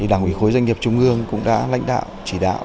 đảng ủy khối doanh nghiệp trung ương cũng đã lãnh đạo chỉ đạo